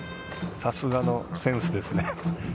さすがのセンスですね。